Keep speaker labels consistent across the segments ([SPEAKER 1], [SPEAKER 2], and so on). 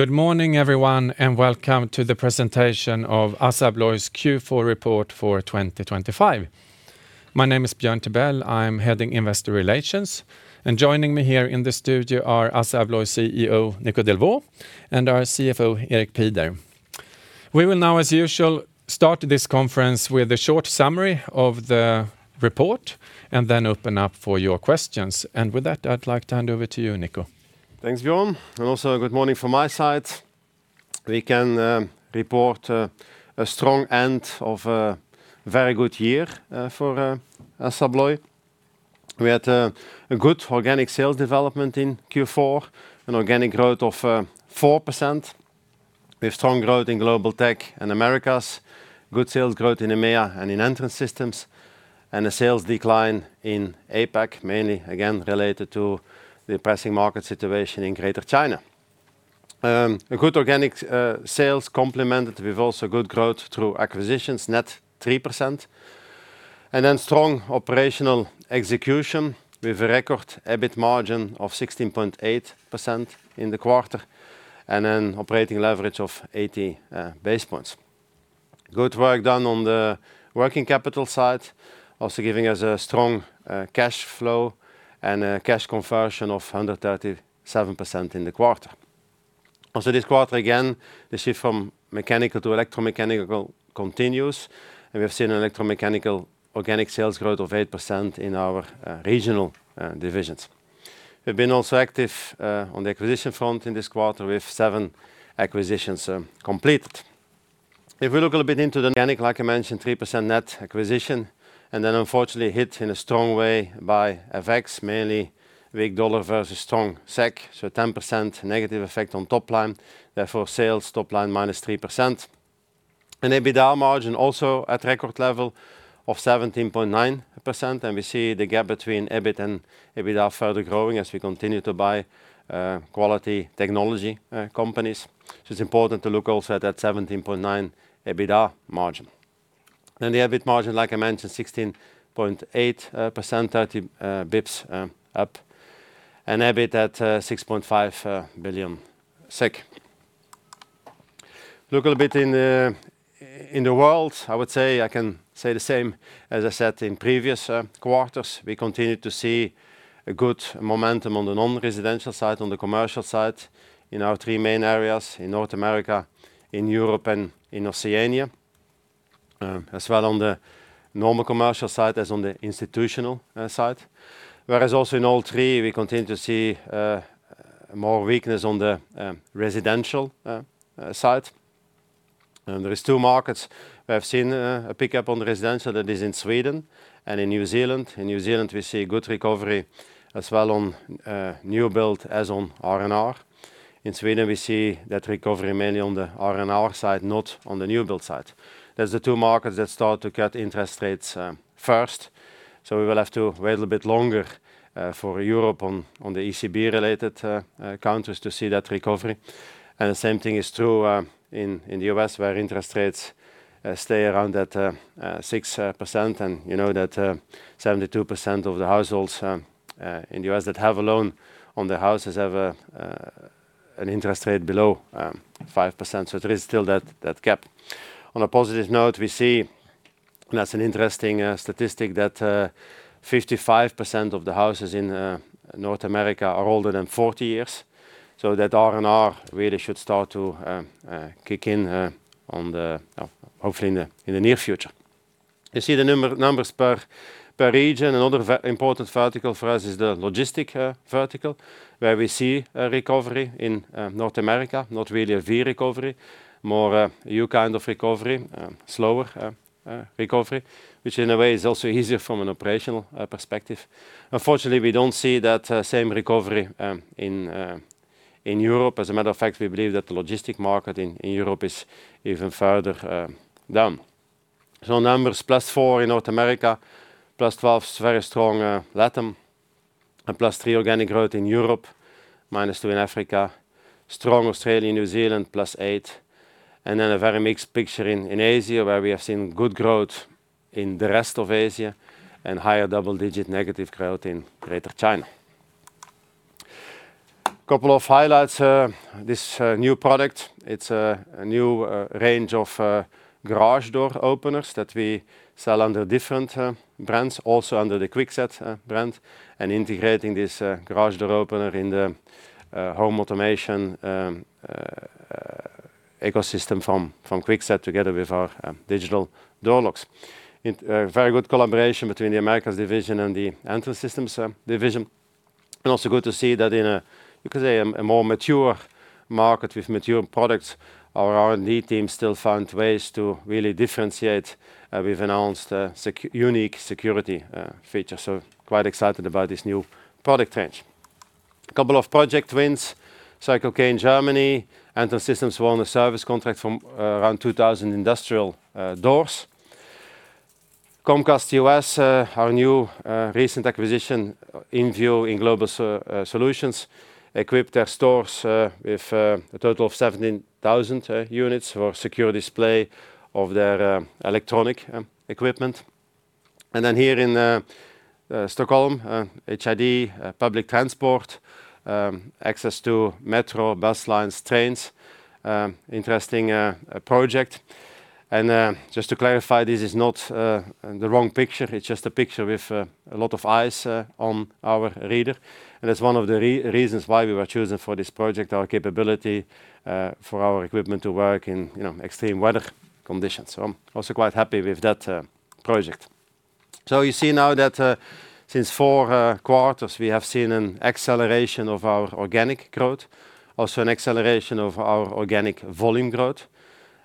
[SPEAKER 1] Good morning, everyone, and welcome to the presentation of ASSA ABLOY's Q4 report for 2025. My name is Björn Tibell. I'm heading Investor Relations, and joining me here in the studio are ASSA ABLOY CEO, Nico Delvaux, and our CFO, Erik Pieder. We will now, as usual, start this conference with a short summary of the report and then open up for your questions. And with that, I'd like to hand over to you, Nico.
[SPEAKER 2] Thanks, Björn, and also good morning from my side. We can report a strong end of a very good year for ASSA ABLOY. We had a good organic sales development in Q4, an organic growth of 4%, with strong growth in Global Tech and Americas. Good sales growth in EMEA and in Entrance Systems, and a sales decline in APAC, mainly again, related to the pressing market situation in Greater China. A good organic sales complemented with also good growth through acquisitions, net 3%, and then strong operational execution with a record EBIT margin of 16.8% in the quarter, and an operating leverage of 80 basis points. Good work done on the working capital side, also giving us a strong cash flow and a cash conversion of 137% in the quarter. Also, this quarter, again, the shift from mechanical to electromechanical continues, and we have seen an electromechanical organic sales growth of 8% in our regional divisions. We've been also active on the acquisition front in this quarter, with 7 acquisitions completed. If we look a little bit into the organic, like I mentioned, 3% net acquisition, and then unfortunately hit in a strong way by FX, mainly weak dollar versus strong SEK, so a 10% negative effect on top line. Therefore, sales top line, -3%. An EBITDA margin also at record level of 17.9%, and we see the gap between EBIT and EBITDA further growing as we continue to buy quality technology companies. So it's important to look also at that 17.9% EBITDA margin. Then the EBIT margin, like I mentioned, 16.8%, 30 bps up, and EBIT at SEK 6.5 billion. Look a little bit in the world. I would say, I can say the same as I said in previous quarters. We continue to see a good momentum on the non-residential side, on the commercial side, in our three main areas: in North America, in Europe, and in Oceania, as well on the normal commercial side as on the institutional side. Whereas also in all three, we continue to see more weakness on the residential side. And there is two markets we have seen a pickup on the residential, that is in Sweden and in New Zealand. In New Zealand, we see a good recovery as well on new build as on R&R. In Sweden, we see that recovery mainly on the R&R side, not on the new build side. There are the two markets that start to cut interest rates first. So we will have to wait a bit longer for Europe on the ECB-related countries to see that recovery. And the same thing is true in the U.S., where interest rates stay around that 6%. And you know that 72% of the households in the U.S. that have a loan on their houses have an interest rate below 5%. So there is still that gap. On a positive note, we see, and that's an interesting statistic, that 55% of the houses in North America are older than 40 years. So that R&R really should start to kick in, hopefully in the near future. You see the numbers per region. Another important vertical for us is the logistics vertical, where we see a recovery in North America. Not really a V recovery. More, U kind of recovery, slower recovery, which in a way is also easier from an operational perspective. Unfortunately, we don't see that same recovery in Europe. As a matter of fact, we believe that the logistics market in Europe is even further down. Numbers: +4 in North America, +12, very strong, LATAM, and +3 organic growth in Europe, -2 in Africa. Strong Australia, New Zealand, +8. And then a very mixed picture in Asia, where we have seen good growth in the rest of Asia and higher double-digit negative growth in Greater China. Couple of highlights, this new product, it's a new range of garage door openers that we sell under different brands, also under the Kwikset brand, and integrating this garage door opener in the home automation ecosystem from Kwikset, together with our digital door locks. It very good collaboration between the Americas division and the Entrance Systems division. Also good to see that in a more mature market with mature products, our R&D team still found ways to really differentiate with enhanced unique security features. So quite excited about this new product range. A couple of project wins, Circle K in Germany, Entrance Systems won a service contract from around 2,000 industrial doors. Comcast U.S., our new recent acquisition, InVue in Global Solutions, equipped their stores with a total of 17,000 units for secure display of their electronic equipment. And then here in Stockholm, HID public transport access to metro, bus lines, trains. Interesting project. Just to clarify, this is not the wrong picture. It's just a picture with a lot of eyes on our reader, and that's one of the reasons why we were chosen for this project: our capability for our equipment to work in, you know, extreme weather conditions. So I'm also quite happy with that project. So you see now that since 4 quarters, we have seen an acceleration of our organic growth, also an acceleration of our organic volume growth,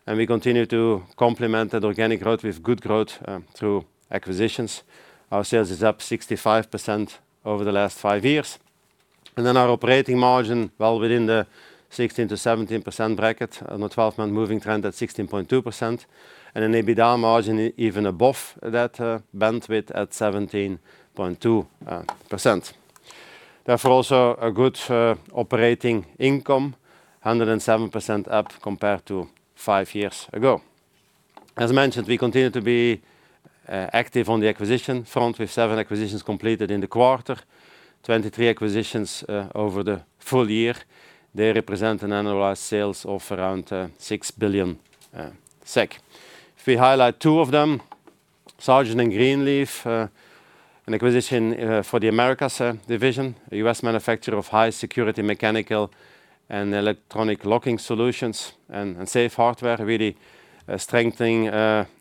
[SPEAKER 2] and we continue to complement that organic growth with good growth through acquisitions. Our sales is up 65% over the last 5 years, and then our operating margin, well, within the 16%-17% bracket on a 12-month moving trend at 16.2%, and an EBITDA margin even above that bandwidth at 17.2%. Therefore, also a good operating income, 107% up compared to five years ago. As mentioned, we continue to be active on the acquisition front, with 7 acquisitions completed in the quarter, 23 acquisitions over the full year. They represent an annualized sales of around 6 billion SEK. If we highlight two of them, Sargent & Greenleaf, an acquisition for the Americas division, a U.S. manufacturer of high-security mechanical and electronic locking solutions and safe hardware, really strengthening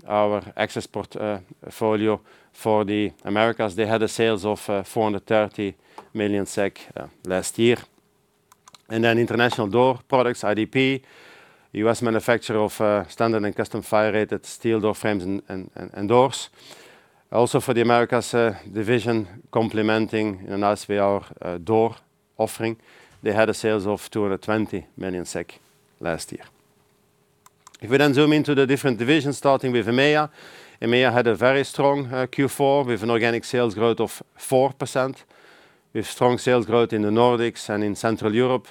[SPEAKER 2] our access portfolio for the Americas. They had sales of 430 million SEK last year. And then International Door Products, IDP, U.S. manufacturer of standard and custom fire-rated steel door frames and doors. Also, for the Americas division, complementing and us with our door offering. They had sales of 200 million SEK last year. If we then zoom into the different divisions, starting with EMEA. EMEA had a very strong Q4, with an organic sales growth of 4%, with strong sales growth in the Nordics and in Central Europe.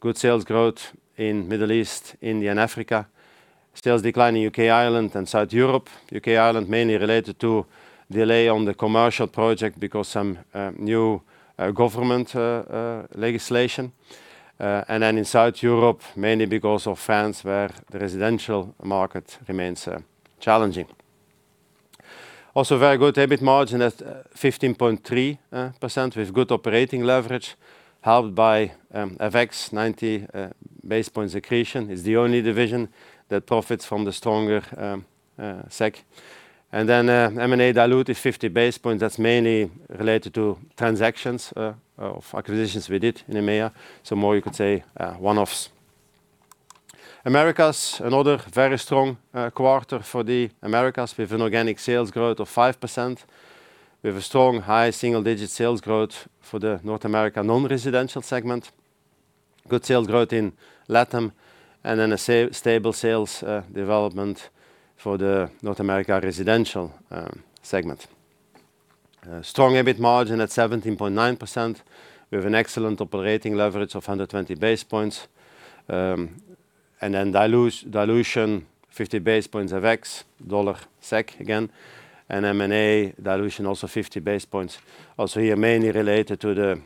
[SPEAKER 2] Good sales growth in Middle East, India, and Africa. Sales decline in U.K., Ireland, and South Europe. U.K., Ireland, mainly related to delay on the commercial project because some new government legislation. And then in South Europe, mainly because of France, where the residential market remains challenging. Also very good EBIT margin at 15.3%, with good operating leverage, helped by FX 90 basis points accretion. It's the only division that profits from the stronger SEK. And then, M&A dilution is 50 basis points. That's mainly related to transactions of acquisitions we did in EMEA, so more you could say, one-offs. Americas. Another very strong quarter for the Americas, with an organic sales growth of 5%. We have a strong, high single-digit sales growth for the North America non-residential segment, good sales growth in LATAM, and then a stable sales development for the North America residential segment. Strong EBIT margin at 17.9%. We have an excellent operating leverage of 120 basis points. And then dilution, 50 basis points of FX dollar SEK again, and M&A dilution, also 50 basis points. Also here, mainly related to the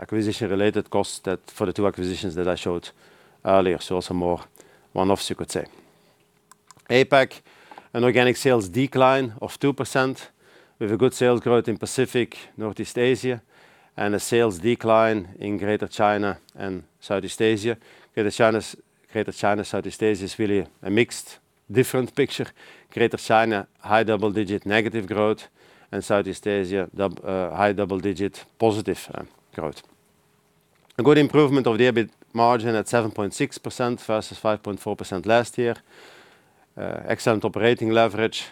[SPEAKER 2] acquisition related costs that for the two acquisitions that I showed earlier, so also more one-offs you could say. APAC, an organic sales decline of 2%. We have a good sales growth in Pacific, Northeast Asia, and a sales decline in Greater China and Southeast Asia. Greater China, Greater China, Southeast Asia is really a mixed different picture. Greater China, high double-digit negative growth, and Southeast Asia, double high double-digit positive growth. A good improvement of the EBIT margin at 7.6% versus 5.4% last year. Excellent operating leverage,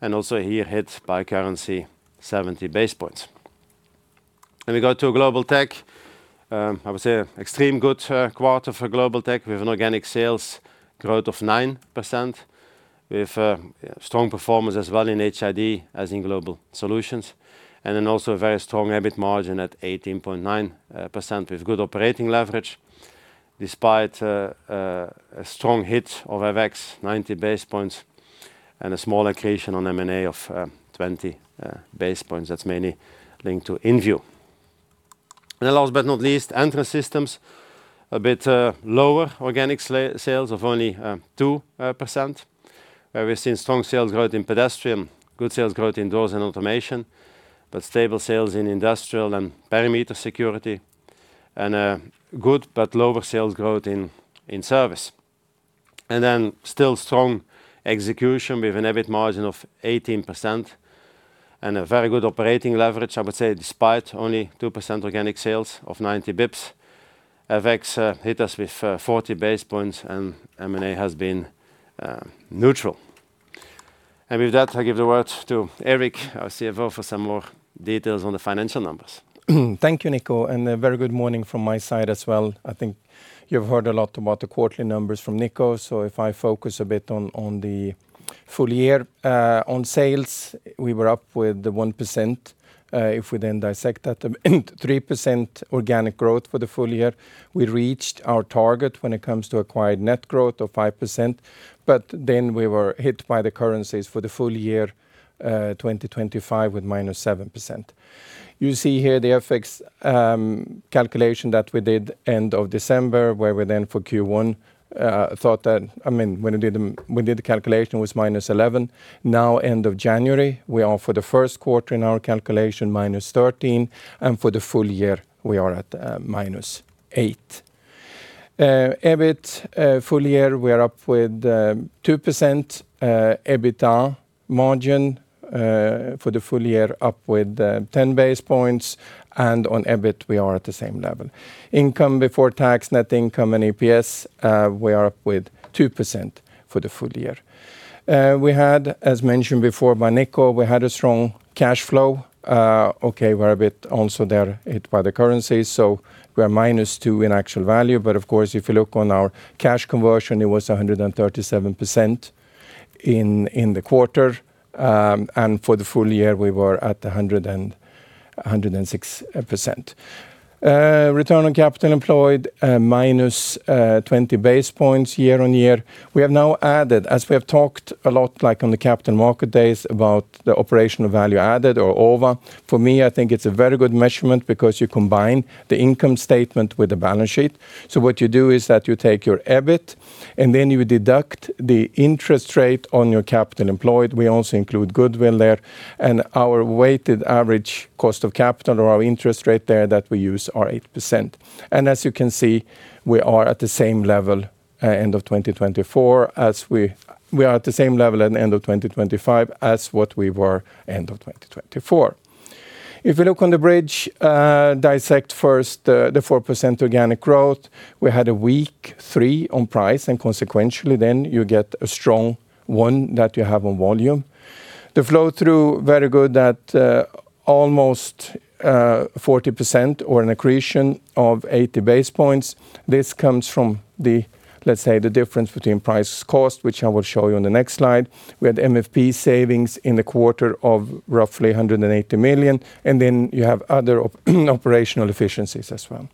[SPEAKER 2] and also here, hit by currency, 70 basis points. Then we go to Global Tech. I would say extreme good quarter for Global Tech. We have an organic sales growth of 9%. We have strong performance as well in HID, as in Global Solutions, and then also a very strong EBIT margin at 18.9%, with good operating leverage, despite a strong hit of FX, 90 basis points, and a small accretion on M&A of 20 basis points. That's mainly linked to InVue. And then last but not least, Entrance Systems, a bit lower organic sales of only 2%. We've seen strong sales growth in pedestrian, good sales growth in doors and automation, but stable sales in industrial and perimeter security, and a good but lower sales growth in service. And then still strong execution with an EBIT margin of 18% and a very good operating leverage, I would say, despite only 2% organic sales of 90 basis points. FX hit us with 40 basis points, and M&A has been neutral. With that, I give the word to Erik, our CFO, for some more details on the financial numbers.
[SPEAKER 3] Thank you, Nico, and a very good morning from my side as well. I think you've heard a lot about the quarterly numbers from Nico, so if I focus a bit on the full year. On sales, we were up 1%. If we then dissect that, 3% organic growth for the full year. We reached our target when it comes to acquired net growth of 5%. But then we were hit by the currencies for the full year, 2025 with -7%. You see here the FX calculation that we did end of December, where we then for Q1 thought that—I mean, when we did the calculation was -11. Now, end of January, we are for the first quarter in our calculation, -13, and for the full year we are at -8. EBIT, full year, we are up with 2%, EBITDA margin, for the full year, up with 10 basis points, and on EBIT we are at the same level. Income before tax, net income, and EPS, we are up with 2% for the full year. We had, as mentioned before by Nico, we had a strong cash flow. Okay, we're a bit also there hit by the currency, so we are -2 in actual value. But of course, if you look on our cash conversion, it was 137% in the quarter. And for the full year, we were at 106%. Return on capital employed, -20 basis points year-on-year. We have now added, as we have talked a lot, like on the capital market days, about the operational value added or OVA. For me, I think it's a very good measurement because you combine the income statement with the balance sheet. So what you do is that you take your EBIT, and then you deduct the interest rate on your capital employed. We also include goodwill there, and our weighted average cost of capital or our interest rate there that we use are 8%. And as you can see, we are at the same level, end of 2024, as we are at the same level at the end of 2025 as what we were end of 2024. If you look on the bridge, dissect first, the 4% organic growth, we had a weak 3 on price, and consequentially, then you get a strong 1 that you have on volume. The flow-through, very good at, almost, 40% or an accretion of 80 basis points. This comes from the, let's say, the difference between price cost, which I will show you on the next slide. We had MFP savings in the quarter of roughly 180 million, and then you have other operational efficiencies as well.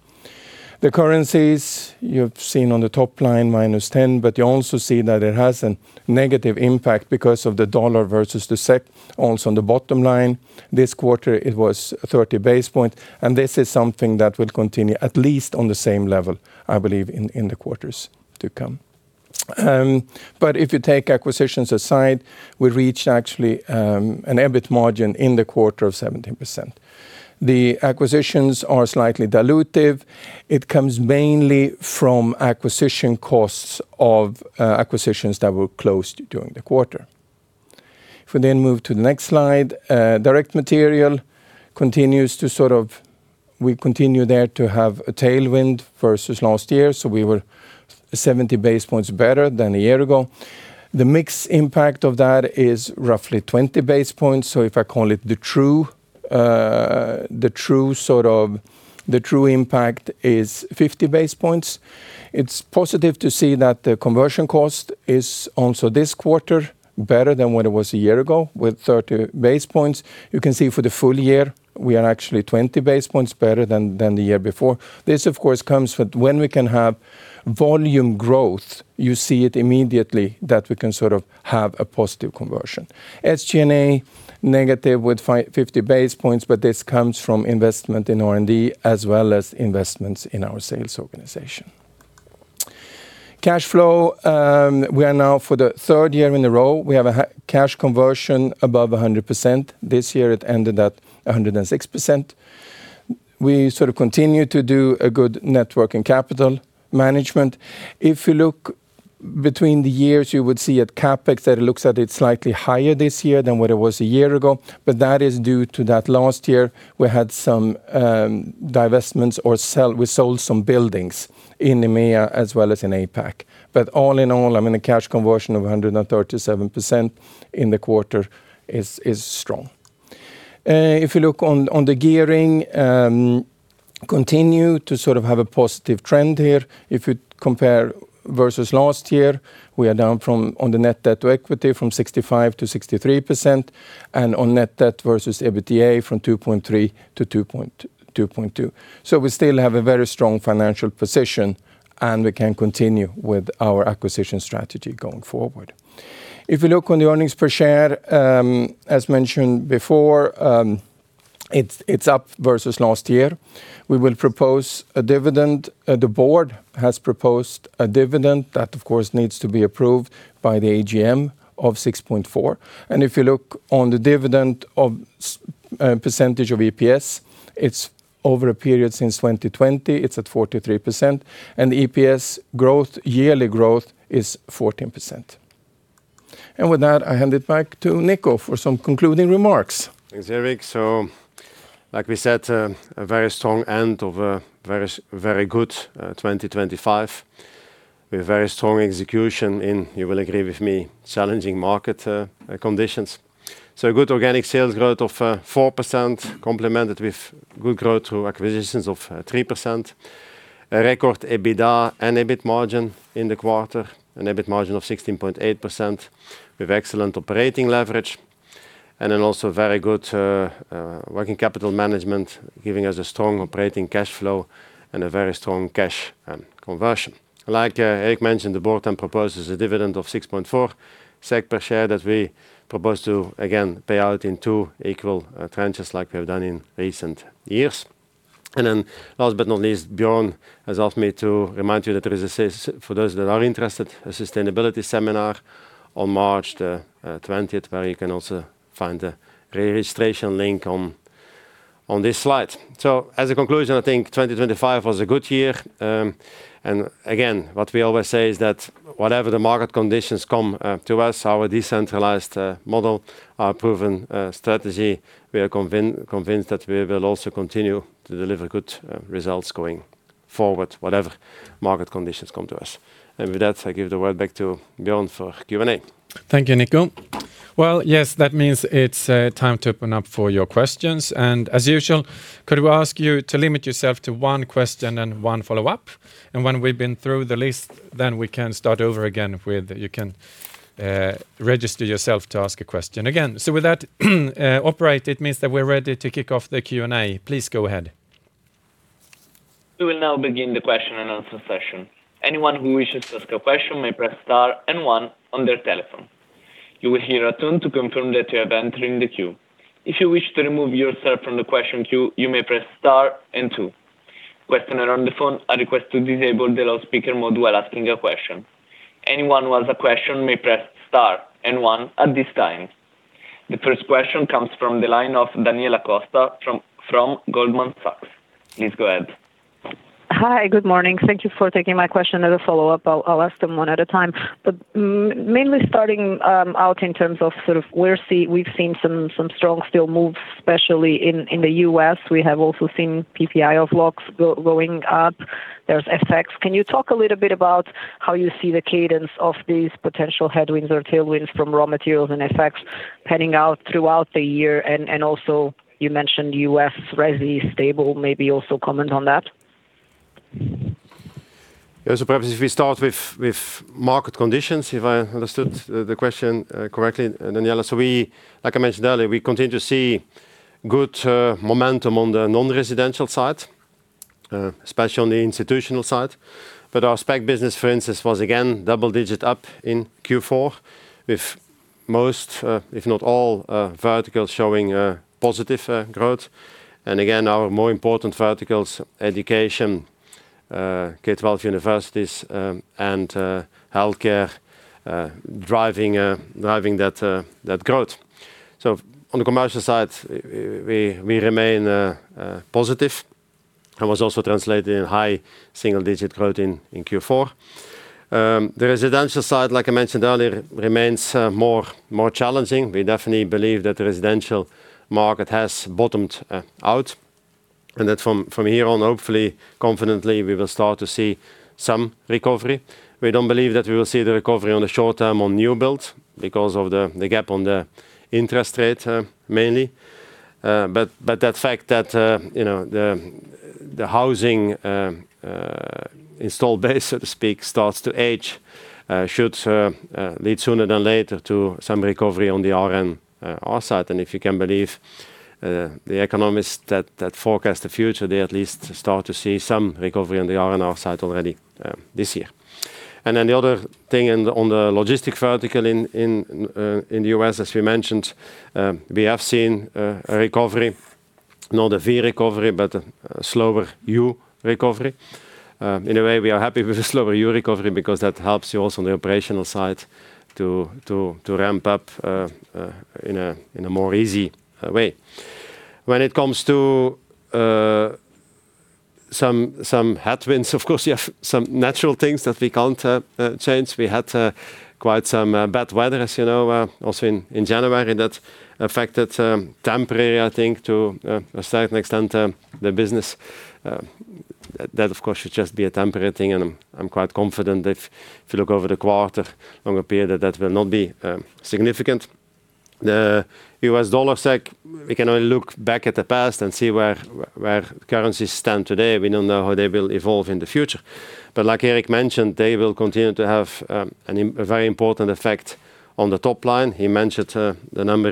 [SPEAKER 3] The currencies you've seen on the top line, -10, but you also see that it has a negative impact because of the dollar versus the SEK. Also, on the bottom line, this quarter it was 30 basis points, and this is something that will continue at least on the same level, I believe, in the quarters to come. But if you take acquisitions aside, we reached actually an EBIT margin in the quarter of 17%. The acquisitions are slightly dilutive. It comes mainly from acquisition costs of acquisitions that were closed during the quarter. If we then move to the next slide, direct material continues to sort of we continue there to have a tailwind versus last year, so we were 70 basis points better than a year ago. The mix impact of that is roughly 20 basis points. So if I call it the true, the true sort of... The true impact is 50 basis points. It's positive to see that the conversion cost is also this quarter, better than what it was a year ago, with 30 basis points. You can see for the full year, we are actually 20 basis points better than the year before. This, of course, comes with when we can have volume growth, you see it immediately, that we can sort of have a positive conversion. SG&A, negative with 50 basis points, but this comes from investment in R&D, as well as investments in our sales organization. Cash flow, we are now, for the third year in a row, we have a cash conversion above 100%. This year, it ended at 106%. We sort of continue to do a good net working capital management. If you look between the years, you would see at CapEx that it looks at it slightly higher this year than what it was a year ago, but that is due to that last year we had some divestments or sell, we sold some buildings in EMEA as well as in APAC. But all in all, I mean, a cash conversion of 137% in the quarter is strong. If you look on the gearing, continue to sort of have a positive trend here. If you compare versus last year, we are down from, on the net debt to equity, from 65% to 63%, and on net debt versus EBITDA from 2.3 to 2.2. So we still have a very strong financial position, and we can continue with our acquisition strategy going forward. If you look on the earnings per share, as mentioned before, it's up versus last year. We will propose a dividend. The board has proposed a dividend that, of course, needs to be approved by the AGM of 6.4. And if you look on the dividend of, percentage of EPS, it's over a period since 2020, it's at 43%, and the EPS growth, yearly growth is 14%. And with that, I hand it back to Nico for some concluding remarks.
[SPEAKER 2] Thanks, Erik. So like we said, a very strong end of a very, very good 2025, with very strong execution in, you will agree with me, challenging market conditions. So a good organic sales growth of 4%, complemented with good growth through acquisitions of 3%. A record EBITDA and EBIT margin in the quarter, an EBIT margin of 16.8% with excellent operating leverage. And then also very good working capital management, giving us a strong operating cash flow and a very strong cash conversion. Like, Erik mentioned, the board then proposes a dividend of 6.4 SEK per share that we propose to, again, pay out in two equal tranches like we have done in recent years. And then last but not least, Björn has asked me to remind you that there is a session for those that are interested, a sustainability seminar on March the twentieth, where you can also find the re-registration link on this slide. So as a conclusion, I think 2025 was a good year. And again, what we always say is that whatever the market conditions come to us, our decentralized model, our proven strategy, we are convinced that we will also continue to deliver good results going forward, whatever market conditions come to us. And with that, I give the word back to Björn for Q&A.
[SPEAKER 1] Thank you, Nico. Well, yes, that means it's time to open up for your questions. And as usual, could we ask you to limit yourself to one question and one follow-up? And when we've been through the list, then we can start over again with... You can register yourself to ask a question again. So with that, operator, it means that we're ready to kick off the Q&A. Please go ahead.
[SPEAKER 4] We will now begin the question and answer session. Anyone who wishes to ask a question may press star and one on their telephone. You will hear a tune to confirm that you have entered in the queue. If you wish to remove yourself from the question queue, you may press star and two. Questioner on the phone, a request to disable the loudspeaker mode while asking a question. Anyone who has a question may press star and one at this time. The first question comes from the line of Daniela Costa from Goldman Sachs. Please go ahead.
[SPEAKER 5] Hi, good morning. Thank you for taking my question. As a follow-up, I'll ask them one at a time. But mainly starting out in terms of sort of where we've seen some strong steel moves, especially in the U.S. We have also seen PPI of locks going up. There's FX. Can you talk a little bit about how you see the cadence of these potential headwinds or tailwinds from raw materials and FX panning out throughout the year? And also you mentioned U.S. resi stable, maybe also comment on that.
[SPEAKER 2] Yeah, so perhaps if we start with market conditions, if I understood the question correctly, Daniela. So we... Like I mentioned earlier, we continue to see good momentum on the non-residential side, especially on the institutional side. But our spec business, for instance, was again double-digit up in Q4, with most, if not all, verticals showing positive growth. And again, our more important verticals, education, K-12 universities, and healthcare driving that growth. So on the commercial side, we remain positive, and was also translated in high single-digit growth in Q4. The residential side, like I mentioned earlier, remains more challenging. We definitely believe that the residential market has bottomed out, and that from here on, hopefully, confidently, we will start to see some recovery. We don't believe that we will see the recovery on the short term on new builds because of the gap on the interest rate, mainly. But that fact that, you know, the housing installed base, so to speak, starts to age should lead sooner than later to some recovery on the R&R site. And if you can believe the economists that forecast the future, they at least start to see some recovery on the R&R site already this year. And then the other thing in the on the logistic vertical in the US, as we mentioned, we have seen a recovery. Not a V recovery, but a slower U recovery. In a way, we are happy with the slower U recovery because that helps you also on the operational side to ramp up in a more easy way. When it comes to some headwinds, of course, we have some natural things that we can't change. We had quite some bad weather, as you know, also in January, that affected temporary, I think, to a certain extent the business. That of course should just be a temporary thing, and I'm quite confident if you look over the quarter longer period, that will not be significant. The U.S. dollar SEK, we can only look back at the past and see where currencies stand today. We don't know how they will evolve in the future. But like Erik mentioned, they will continue to have a very important effect on the top line. He mentioned the number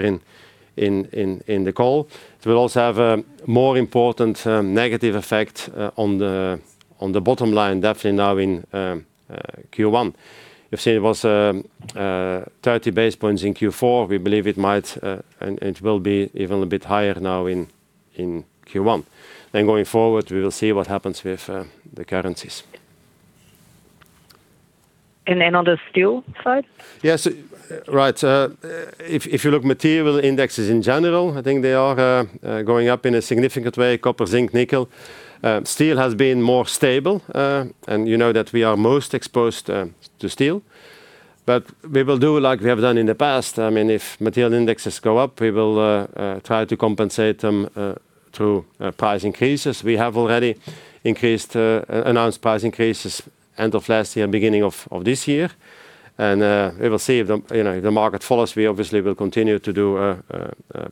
[SPEAKER 2] in the call. It will also have a more important negative effect on the bottom line, definitely now in Q1. You've seen it was 30 basis points in Q4. We believe it might and it will be even a bit higher now in Q1. Then going forward, we will see what happens with the currencies.
[SPEAKER 5] And then on the steel side?
[SPEAKER 2] Yes. Right. If you look at material indexes in general, I think they are going up in a significant way, copper, zinc, nickel. Steel has been more stable, and you know that we are most exposed to steel. But we will do like we have done in the past. I mean, if material indexes go up, we will try to compensate them through price increases. We have already announced price increases end of last year and beginning of this year. We will see if, you know, the market follows. We obviously will continue to do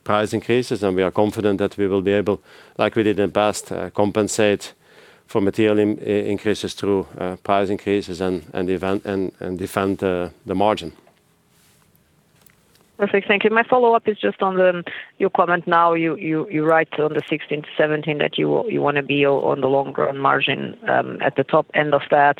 [SPEAKER 2] price increases, and we are confident that we will be able, like we did in the past, to compensate for material increases through price increases and even defend the margin.
[SPEAKER 5] Perfect, thank you. My follow-up is just on the, your comment now, you write on the 16-17 that you want to be on the long run margin at the top end of that.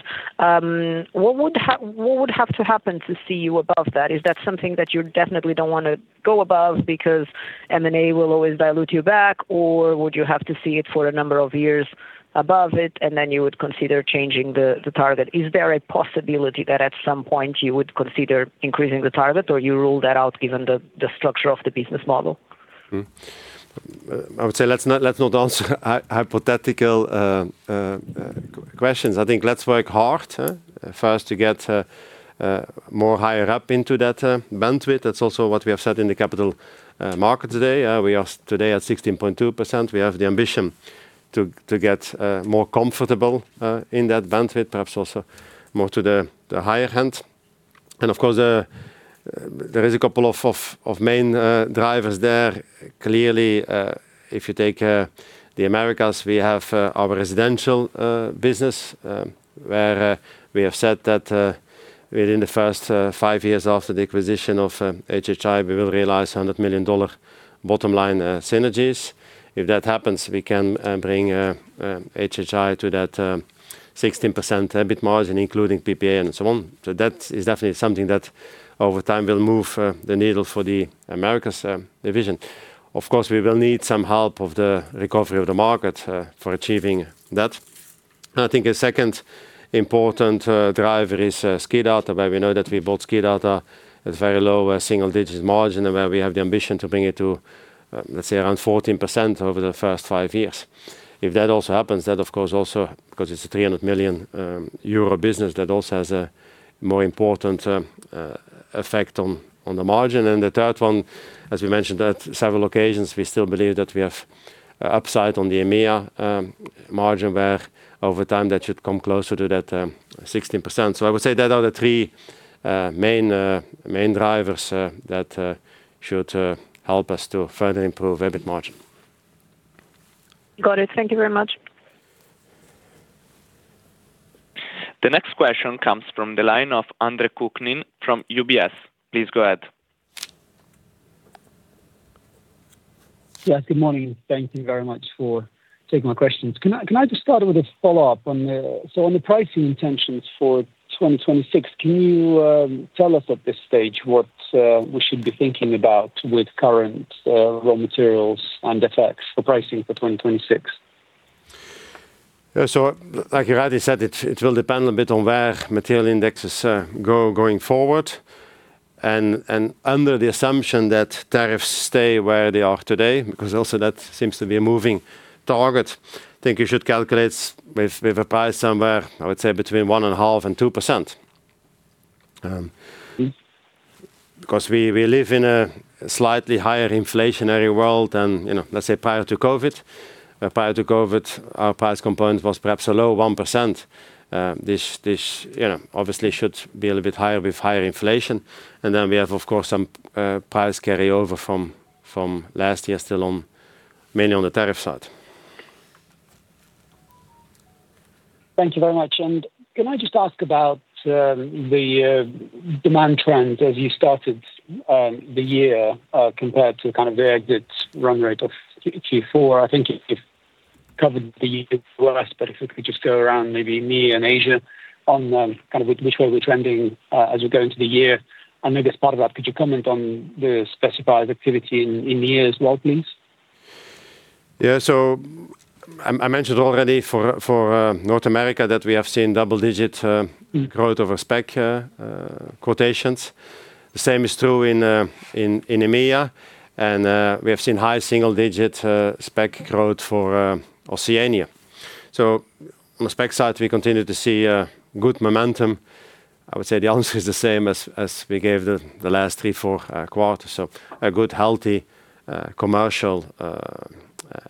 [SPEAKER 5] What would have to happen to see you above that? Is that something that you definitely don't want to go above because M&A will always dilute you back, or would you have to see it for a number of years above it, and then you would consider changing the target? Is there a possibility that at some point you would consider increasing the target, or you rule that out given the structure of the business model?
[SPEAKER 2] Mm-hmm. I would say let's not, let's not answer hypothetical questions. I think let's work hard first to get more higher up into that bandwidth. That's also what we have said in the capital market today. We are today at 16.2%. We have the ambition to get more comfortable in that bandwidth, perhaps also more to the higher end. And of course, there is a couple of main drivers there. Clearly, if you take the Americas, we have our residential business, where we have said that within the first 5 years after the acquisition of HHI, we will realize $100 million bottom line synergies. If that happens, we can bring HHI to that 16% EBIT margin, including PPA and so on. So that is definitely something that over time will move the needle for the Americas division. Of course, we will need some help of the recovery of the market for achieving that. I think a second important driver is SKIDATA, where we know that we bought SKIDATA at very low single-digit margin, and where we have the ambition to bring it to, let's say, around 14% over the first 5 years. If that also happens, then of course also, because it's a 300 million euro business, that also has a more important effect on the margin. And the third one, as we mentioned at several occasions, we still believe that we have upside on the EMEA margin, where over time that should come closer to that 16%. So I would say that are the three main main drivers that should help us to further improve EBIT margin.
[SPEAKER 5] Got it. Thank you very much.
[SPEAKER 4] The next question comes from the line of Andre Kukhnin from UBS. Please go ahead.
[SPEAKER 6] Yes, good morning. Thank you very much for taking my questions. Can I, can I just start with a follow-up on the... So on the pricing intentions for 2026, can you tell us at this stage what we should be thinking about with current raw materials and the effects for pricing for 2026?
[SPEAKER 2] So like I already said, it will depend a bit on where material indexes go, going forward. And under the assumption that tariffs stay where they are today, because also that seems to be a moving target, I think you should calculate with a price somewhere, I would say, between 1.5% and 2%. Because we live in a slightly higher inflationary world than, you know, let's say, prior to COVID. Prior to COVID, our price component was perhaps below 1%. This, you know, obviously should be a little bit higher with higher inflation. And then we have, of course, some price carryover from last year, still on, mainly on the tariff side.
[SPEAKER 6] Thank you very much. And can I just ask about the demand trends as you started the year compared to kind of the exit run rate of Q4? I think you've covered the U.S., but if we could just go around maybe EMEA and Asia on kind of which way we're trending as we go into the year. And then as part of that, could you comment on the spec activity in the year as well, please?
[SPEAKER 2] Yeah. So I mentioned already for North America that we have seen double-digit growth over spec quotations. The same is true in EMEA, and we have seen high single-digit spec growth for Oceania. So on the spec side, we continue to see good momentum. I would say the answer is the same as we gave the last three, four quarters. So a good, healthy commercial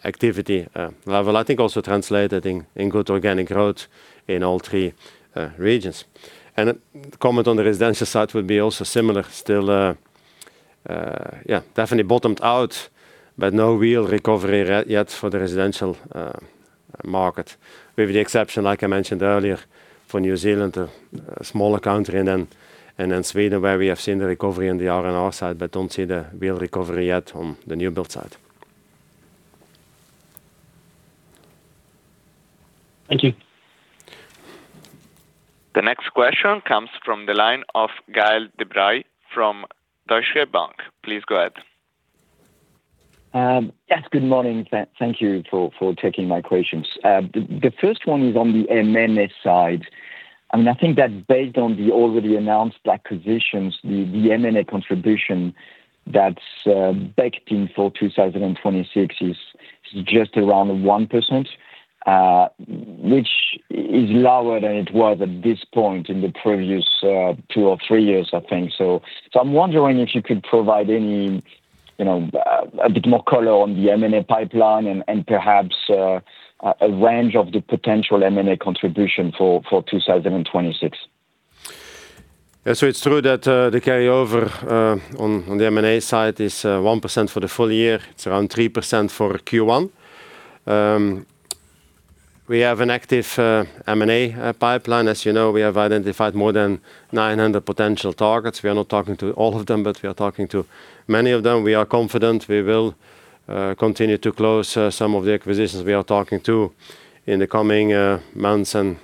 [SPEAKER 2] activity level, I think also translated in good organic growth in all three regions. And a comment on the residential side would be also similar. Still, yeah, definitely bottomed out, but no real recovery yet for the residential market. With the exception, like I mentioned earlier, for New Zealand, a smaller country, and then Sweden, where we have seen the recovery in the R&R side, but don't see the real recovery yet on the new build side.
[SPEAKER 6] Thank you.
[SPEAKER 4] The next question comes from the line of Gaël de Bray from Deutsche Bank. Please go ahead.
[SPEAKER 7] Yes, good morning. Thank you for taking my questions. The first one is on the M&A side. I mean, I think that based on the already announced acquisitions, the M&A contribution that's baked in for 2026 is just around 1%, which is lower than it was at this point in the previous two or three years, I think so. So I'm wondering if you could provide any, you know, a bit more color on the M&A pipeline and perhaps a range of the potential M&A contribution for 2026.
[SPEAKER 2] Yeah. So it's true that the carryover on the M&A side is 1% for the full year. It's around 3% for Q1. We have an active M&A pipeline. As you know, we have identified more than 900 potential targets. We are not talking to all of them, but we are talking to many of them. We are confident we will continue to close some of the acquisitions we are talking to in the coming months and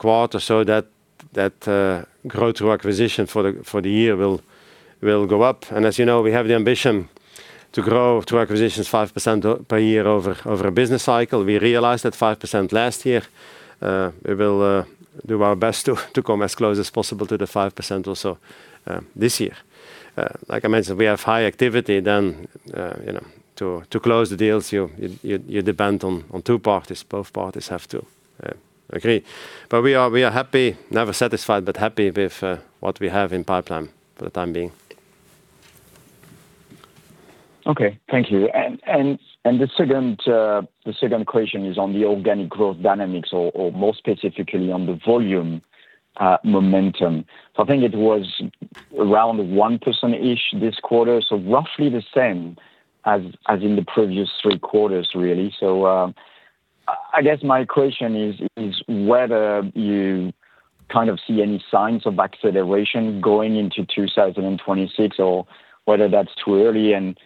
[SPEAKER 2] quarters, so that growth to acquisition for the year will go up. And as you know, we have the ambition to grow to acquisitions 5% per year over a business cycle. We realized that 5% last year. We will do our best to come as close as possible to the 5% or so this year. Like I mentioned, we have high activity in you know to close the deals. You depend on two parties. Both parties have to agree. But we are happy, never satisfied, but happy with what we have in pipeline for the time being.
[SPEAKER 7] Okay, thank you. The second question is on the organic growth dynamics or, more specifically, on the volume momentum. So I think it was around 1%-ish this quarter, so roughly the same as in the previous three quarters, really. So, I guess my question is whether you kind of see any signs of acceleration going into 2026 or whether that's too early, and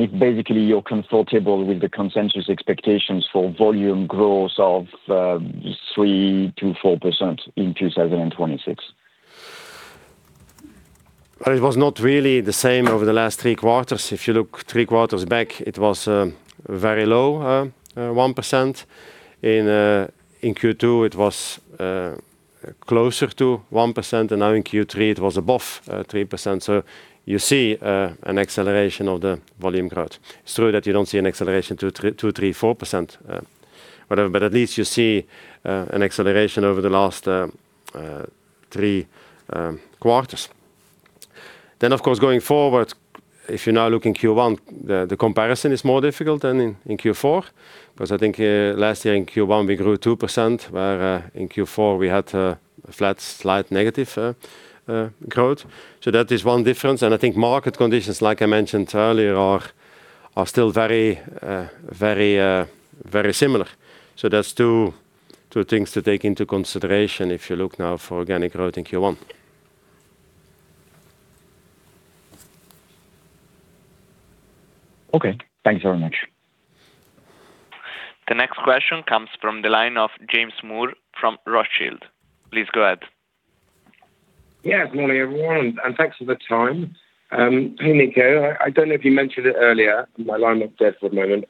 [SPEAKER 7] if basically you're comfortable with the consensus expectations for volume growth of 3%-4% in 2026?
[SPEAKER 2] But it was not really the same over the last three quarters. If you look three quarters back, it was very low, 1%. In Q2, it was closer to 1%, and now in Q3 it was above 3%. So you see an acceleration of the volume growth. It's true that you don't see an acceleration to three, four percent, whatever, but at least you see an acceleration over the last three quarters. Then of course, going forward, if you now look in Q1, the comparison is more difficult than in Q4, because I think last year in Q1, we grew 2%, where in Q4 we had a flat, slight negative growth. So that is one difference. I think market conditions, like I mentioned earlier, are still very, very, very similar. So there's two things to take into consideration if you look now for organic growth in Q1.
[SPEAKER 7] Okay, thanks very much.
[SPEAKER 4] The next question comes from the line of James Moore from Rothschild. Please go ahead.
[SPEAKER 8] Yeah, good morning, everyone, and thanks for the time. Hey, Nico. I don't know if you mentioned it earlier, my line went dead for a moment.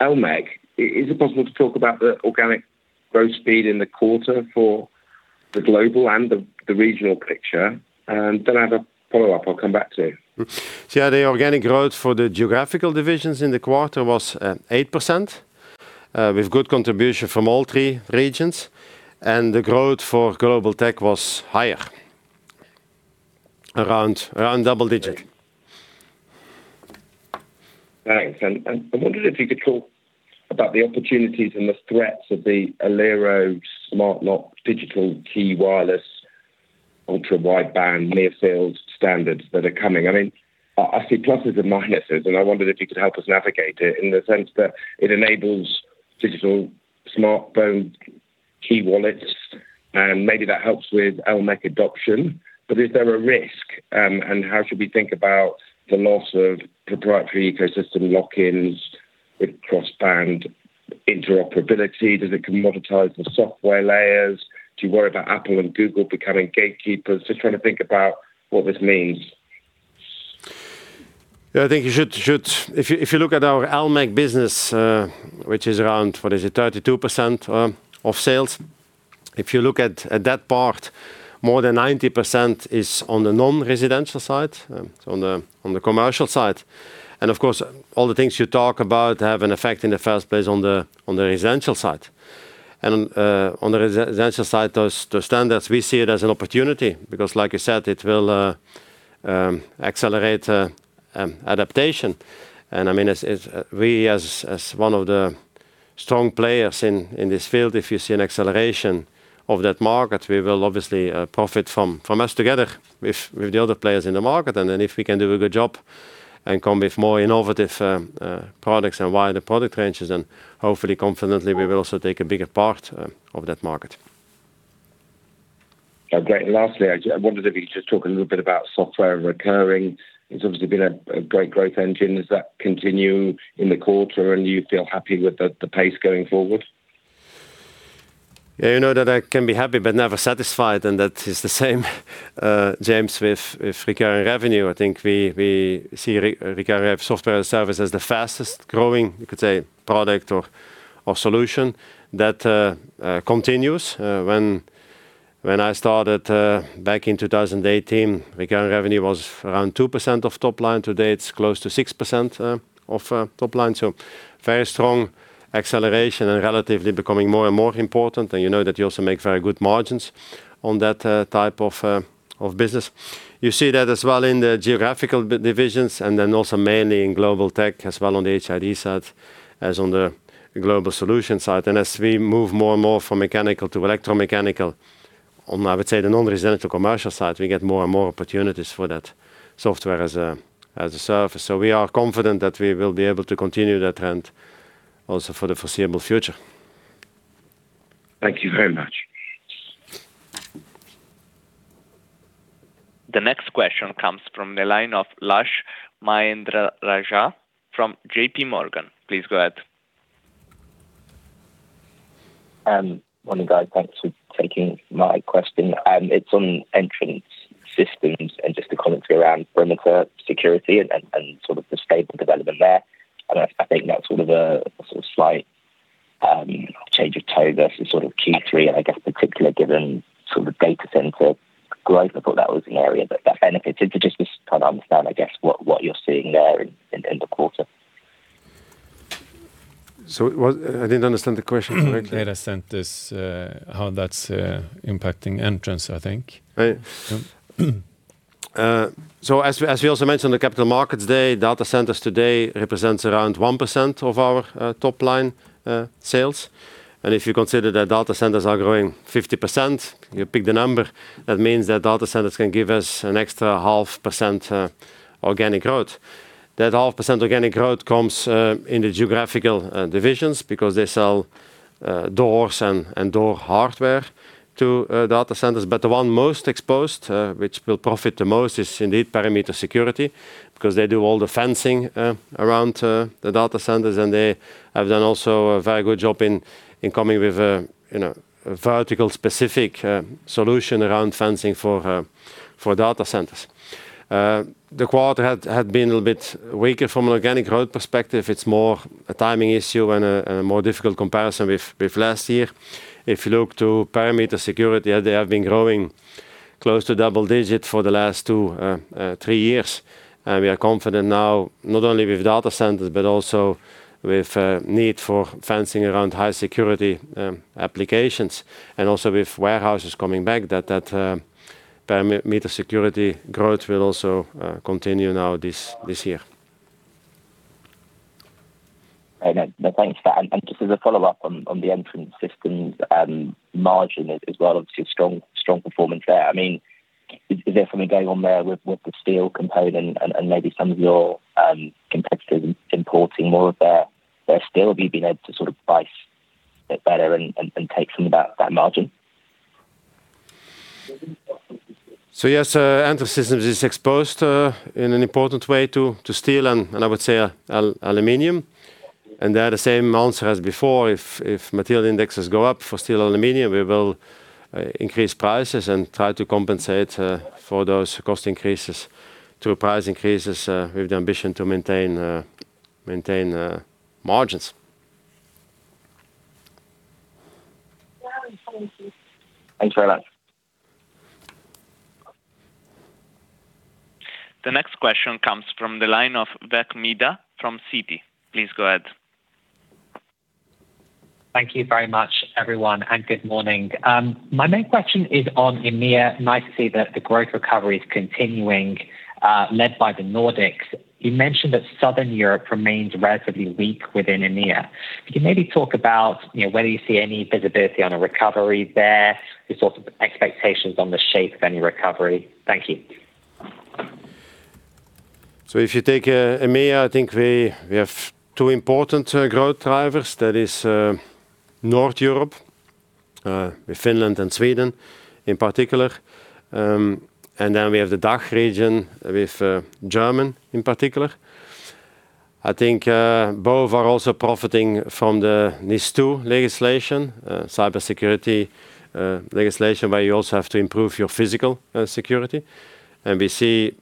[SPEAKER 8] El-Mech, is it possible to talk about the organic growth speed in the quarter for the global and the, the regional picture? And then I have a follow-up I'll come back to.
[SPEAKER 2] So yeah, the organic growth for the geographical divisions in the quarter was 8%, with good contribution from all three regions, and the growth for global tech was higher, around double digit.
[SPEAKER 8] Thanks. I wondered if you could talk about the opportunities and the threats of the Aliro smart lock, digital key, wireless, ultra-wideband, near field standards that are coming. I mean, I see pluses and minuses, and I wondered if you could help us navigate it in the sense that it enables digital smartphone key wallets, and maybe that helps with El-Mech adoption. But is there a risk, and how should we think about the loss of proprietary ecosystem lock-ins with cross-band interoperability? Does it commoditize the software layers? Do you worry about Apple and Google becoming gatekeepers? Just trying to think about what this means.
[SPEAKER 2] Yeah, I think you should. If you look at our electromechanical business, which is around, what is it? 32% of sales. If you look at that part, more than 90% is on the non-residential side, on the commercial side. And of course, all the things you talk about have an effect in the first place on the residential side. And on the residential side, those standards, we see it as an opportunity, because like you said, it will accelerate adoption. And I mean, as we, as one of the strong players in this field, if you see an acceleration of that market, we will obviously profit from it together with the other players in the market. And then if we can do a good job and come with more innovative products and wider product ranges, then hopefully, confidently, we will also take a bigger part of that market.
[SPEAKER 8] Okay. And lastly, I wondered if you could just talk a little bit about software and recurring. It's obviously been a great growth engine. Does that continue in the quarter, and do you feel happy with the pace going forward?
[SPEAKER 2] Yeah, you know that I can be happy but never satisfied, and that is the same, James, with recurring revenue. I think we see recurring revenue software as a service as the fastest growing, you could say, product or solution that continues. When I started back in 2018, recurring revenue was around 2% of top line. Today, it's close to 6% of top line. So very strong acceleration and relatively becoming more and more important. And you know that you also make very good margins on that type of business. You see that as well in the geographical divisions and then also mainly in global tech, as well on the HID side, as on the global solution side. And as we move more and more from mechanical to electromechanical-... On, I would say, the non-residential commercial side, we get more and more opportunities for that software as a service. So we are confident that we will be able to continue that trend also for the foreseeable future.
[SPEAKER 8] Thank you very much.
[SPEAKER 4] The next question comes from the line of Lush Mahendrarajah from JPMorgan. Please go ahead.
[SPEAKER 9] Morning, guys. Thanks for taking my question. It's on Entrance Systems and just the comments around perimeter security and sort of the stable development there. And I think that's sort of a slight change of tone versus sort of Q3, and I guess particularly given sort of data center growth, I thought that was an area that benefited. So just to kind of understand, I guess, what you're seeing there in the quarter.
[SPEAKER 2] I didn't understand the question correctly. Data centers, how that's impacting entrance, I think. Right. So as we, as we also mentioned, the capital markets day, data centers today represents around 1% of our, top line, sales. And if you consider that data centers are growing 50%, you pick the number, that means that data centers can give us an extra 0.5%, organic growth. That 0.5% organic growth comes, in the geographical, divisions because they sell, doors and, and door hardware to, data centers. But the one most exposed, which will profit the most, is indeed perimeter security, because they do all the fencing around the data centers, and they have done also a very good job in coming with a, you know, a vertical specific solution around fencing for data centers. The quarter had been a little bit weaker from an organic growth perspective. It's more a timing issue and a more difficult comparison with last year. If you look to perimeter security, they have been growing close to double-digit for the last two, three years. And we are confident now, not only with data centers, but also with need for fencing around high security applications, and also with warehouses coming back, that perimeter security growth will also continue now, this year.
[SPEAKER 9] Okay. No, thanks for that. Just as a follow-up on the Entrance Systems margin as well, obviously a strong, strong performance there. I mean, is there something going on there with the steel component and maybe some of your competitors importing more of their steel? Have you been able to sort of price it better and take some of that margin?
[SPEAKER 2] So yes, Entrance Systems is exposed in an important way to steel and I would say aluminum. And they are the same answer as before, if material indexes go up for steel, aluminum, we will increase prices and try to compensate for those cost increases to price increases with the ambition to maintain margins.
[SPEAKER 9] Thank you. Thanks very much.
[SPEAKER 4] The next question comes from the line of Vivek Midha from Citi. Please go ahead.
[SPEAKER 10] Thank you very much, everyone, and good morning. My main question is on EMEA. Nice to see that the growth recovery is continuing, led by the Nordics. You mentioned that Southern Europe remains relatively weak within EMEA. Can you maybe talk about, you know, whether you see any visibility on a recovery there? The sort of expectations on the shape of any recovery. Thank you.
[SPEAKER 2] So if you take EMEA, I think we, we have two important growth drivers. That is North Europe with Finland and Sweden in particular. And then we have the DACH region with Germany in particular. I think both are also profiting from the NIS2 legislation, cybersecurity legislation, where you also have to improve your physical security. And we see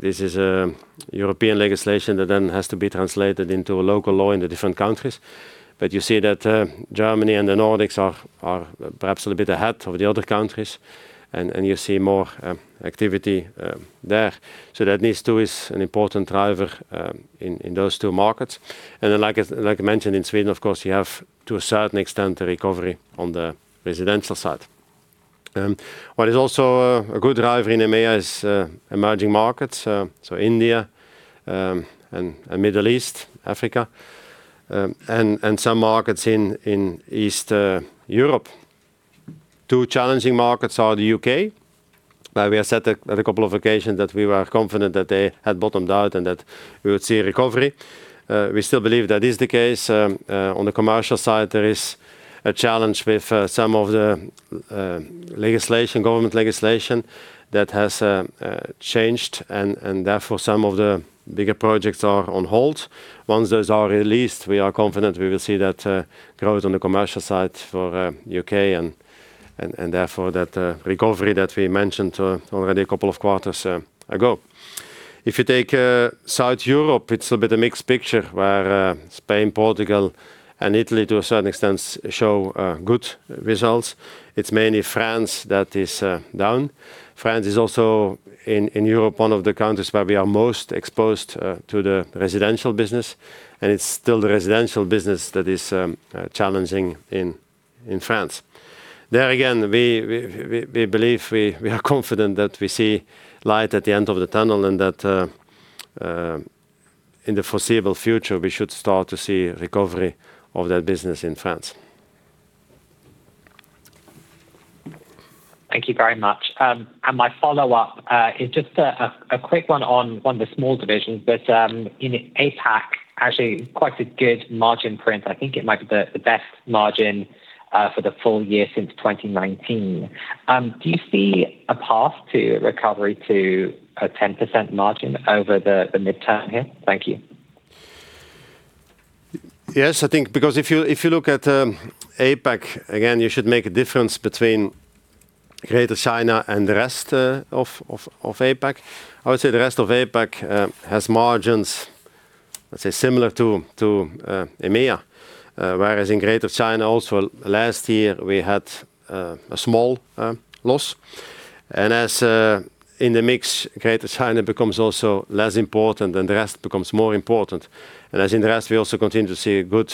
[SPEAKER 2] this is a European legislation that then has to be translated into a local law in the different countries. But you see that Germany and the Nordics are, are perhaps a little bit ahead of the other countries, and, and you see more activity there. So that NIS2 is an important driver in those two markets. Then, like, I mentioned in Sweden, of course, you have, to a certain extent, a recovery on the residential side. What is also a good driver in EMEA is emerging markets, so India, and Middle East, Africa, and some markets in East Europe. Two challenging markets are the U.K., where we have said that at a couple of occasions that we were confident that they had bottomed out and that we would see a recovery. We still believe that is the case. On the commercial side, there is a challenge with some of the legislation, government legislation that has changed, and therefore, some of the bigger projects are on hold. Once those are released, we are confident we will see that growth on the commercial side for U.K., and therefore, that recovery that we mentioned already a couple of quarters ago. If you take South Europe, it's a bit of a mixed picture where Spain, Portugal, and Italy, to a certain extent, show good results. It's mainly France that is down. France is also in Europe, one of the countries where we are most exposed to the residential business, and it's still the residential business that is challenging in France. There again, we believe we are confident that we see light at the end of the tunnel and that in the foreseeable future, we should start to see recovery of that business in France.
[SPEAKER 10] Thank you very much. My follow-up is just a quick one on one of the small divisions, but in APAC, actually quite a good margin print. I think it might be the best margin for the full year since 2019. Do you see a path to recovery to a 10% margin over the midterm here? Thank you.
[SPEAKER 2] Yes, I think because if you look at APAC, again, you should make a difference between Greater China and the rest of APAC. I would say the rest of APAC has margins, let's say, similar to EMEA. Whereas in Greater China also, last year we had a small loss. And as in the mix, Greater China becomes also less important and the rest becomes more important. And as in the rest, we also continue to see good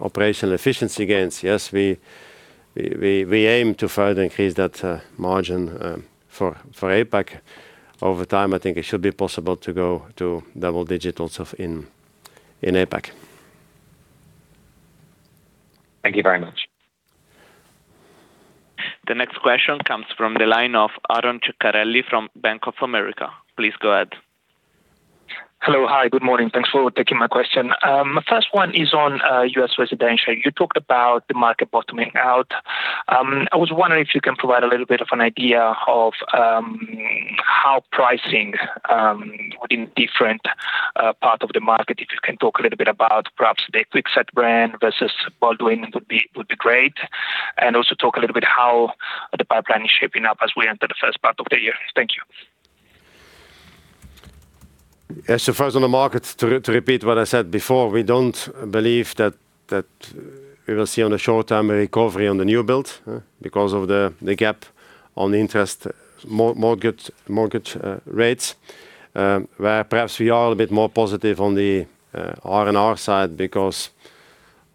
[SPEAKER 2] operational efficiency gains. Yes, we aim to further increase that margin for APAC. Over time, I think it should be possible to go to double digits also in APAC.
[SPEAKER 10] Thank you very much.
[SPEAKER 4] The next question comes from the line of Aron Ceccarelli from Bank of America. Please go ahead.
[SPEAKER 11] Hello. Hi, good morning. Thanks for taking my question. My first one is on, U.S. residential. You talked about the market bottoming out. I was wondering if you can provide a little bit of an idea of, how pricing, within different, part of the market. If you can talk a little bit about perhaps the Kwikset brand versus Baldwin would be, would be great. And also talk a little bit how the pipeline is shaping up as we enter the first part of the year. Thank you.
[SPEAKER 2] Yes, so first on the markets, to repeat what I said before, we don't believe that we will see on the short term a recovery on the new build, because of the gap on interest mortgage rates. Where perhaps we are a bit more positive on the R&R side because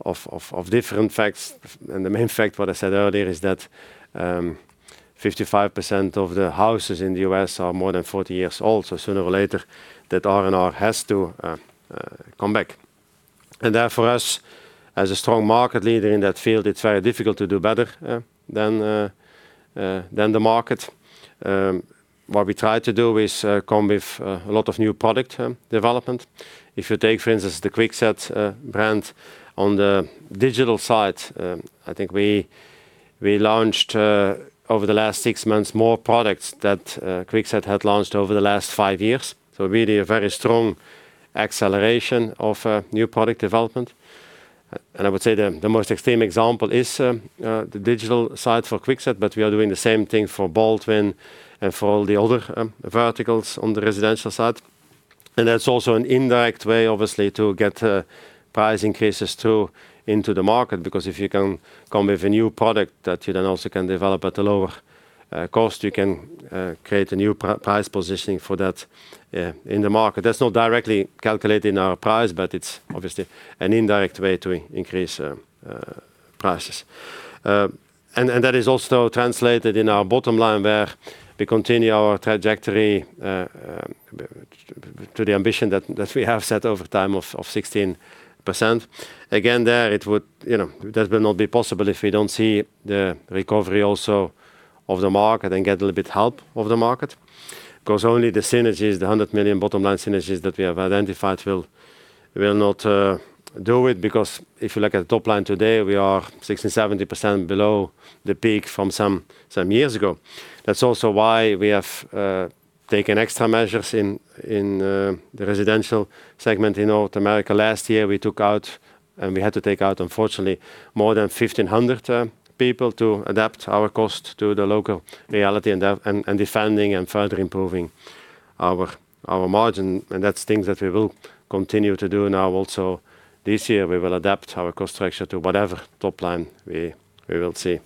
[SPEAKER 2] of different facts. The main fact, what I said earlier, is that 55% of the houses in the U.S. are more than 40 years old. So sooner or later, that R&R has to come back. Therefore us, as a strong market leader in that field, it's very difficult to do better than the market. What we try to do is come with a lot of new product development. If you take, for instance, the Kwikset brand on the digital side, I think we launched over the last six months more products that Kwikset had launched over the last five years. So really a very strong acceleration of new product development. And I would say the most extreme example is the digital side for Kwikset, but we are doing the same thing for Baldwin and for all the other verticals on the residential side. And that's also an indirect way, obviously, to get price increases through into the market, because if you can come with a new product that you then also can develop at a lower cost, you can create a new price positioning for that in the market. That's not directly calculated in our price, but it's obviously an indirect way to increase prices. And that is also translated in our bottom line, where we continue our trajectory to the ambition that we have set over time of 16%. Again, there, it would... You know, that will not be possible if we don't see the recovery also of the market and get a little bit help of the market. 'Cause only the synergies, the 100 million bottom line synergies that we have identified will not do it, because if you look at the top line today, we are 60%-70% below the peak from some years ago. That's also why we have taken extra measures in the residential segment in North America. Last year, we took out, and we had to take out, unfortunately, more than 1,500 people to adapt our cost to the local reality and defending and further improving our margin, and that's things that we will continue to do now also this year. We will adapt our cost structure to whatever top line we will see.